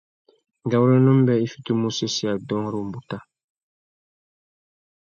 Ngawôrénô mbê i fitimú usésséya dôōng râ umbuta.